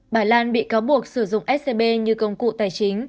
bà lan bị cáo buộc sử dụng scb như công cụ tài chính